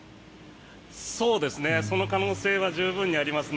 その可能性は十分にありますね。